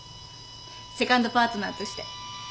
セカンドパートナーとして。